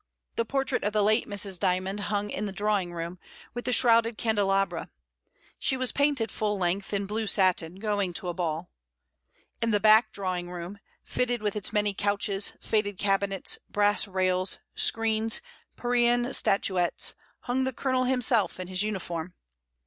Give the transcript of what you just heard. The portrait of the late Mrs. Dymond hung in the drawing room, with the shrouded candelabra; she was painted full length, in blue satin, going to a ball. In the back drawing room — fitted with its many couches, faded cabinets, brass rails, screens, Parian statuettes — hung the Colonel himself, in his uniform.